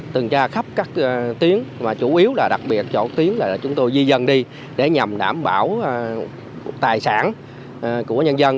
tuần tra khắp các tiến mà chủ yếu là đặc biệt chỗ tiến là chúng tôi di dân đi để nhằm đảm bảo tài sản của nhân dân